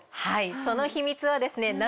はいその秘密はですね